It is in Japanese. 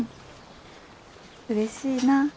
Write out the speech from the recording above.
うれしいな。